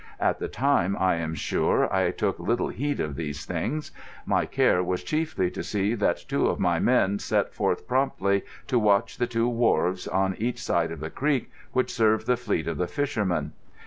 At the time, I am sure, I took little heed of these things. My care was chiefly to see that two of my men set forth promptly to watch the two wharves on each side of the creek, which served the fleet of the fishermen.